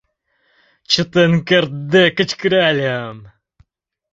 Чытен кертде кычкыральым: